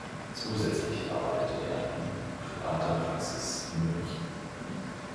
Zusätzlich arbeitet er in privater Praxis in München.